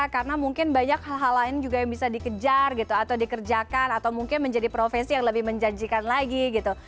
karena mungkin banyak hal hal lain juga yang bisa dikejar gitu atau dikerjakan atau mungkin menjadi profesi yang lebih menjanjikan lagi gitu